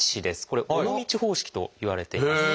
これ「尾道方式」といわれています。